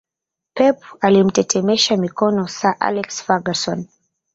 Pep alimtetemesha mikono Sir Alex Ferguson